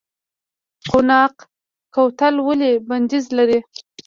قوناق کوتل ولې بندیز لري؟